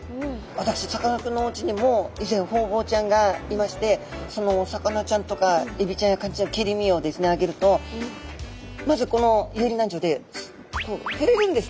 私さかなクンのおうちにも以前ホウボウちゃんがいましてそのお魚ちゃんとかエビちゃんやカニちゃんの切り身をあげるとまずこの遊離軟条でこう触れるんですね。